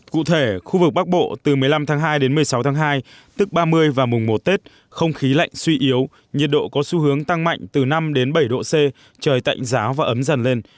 cụ thể khu vực bắc bộ từ một mươi năm tháng hai đến một mươi sáu tháng hai tức ba mươi và mùng một tết không khí lạnh suy yếu nhiệt độ có xu hướng tăng mạnh từ năm đến bảy độ c trời tạnh giáo và ấm dần lên